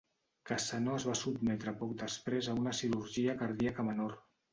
Cassano es va sotmetre poc després a una cirurgia cardíaca menor.